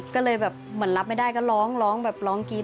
ก็เลยแบบเหมือนรับไม่ได้ก็ร้องร้องแบบร้องกรี๊ด